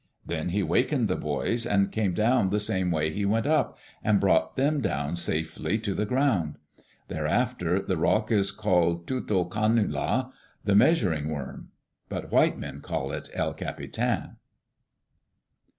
Then he wakened the boys, and came down the same way he went up, and brought them down safely to the ground. Therefore the rock is called Tutokanula, the measuring worm. But white men call it El Capitan.